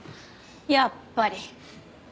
やっぱり。